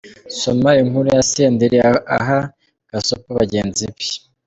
Soma inkuru ya Senderi aha gasopo bagenzi be.